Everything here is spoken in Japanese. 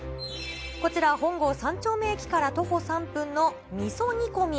こちら、本郷三丁目駅から徒歩３分の味噌煮込罠。